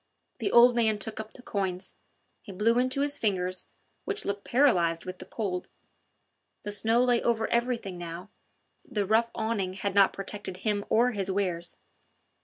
The old man took up the coins. He blew into his fingers, which looked paralysed with the cold. The snow lay over everything now; the rough awning had not protected him or his wares.